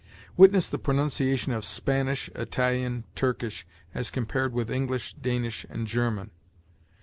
Witness the pronunciation of Spanish, Italian, Turkish, as compared with English, Danish, and German.